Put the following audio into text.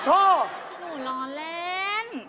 ขอโทษหนูล้อเล่น